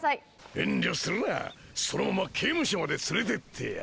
遠慮するなそのまま刑務所まで連れてってやる。